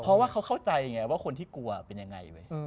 เพราะว่าเขาเข้าใจไงว่าคนที่กลัวเป็นยังไงเว้ย